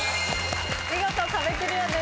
見事壁クリアです。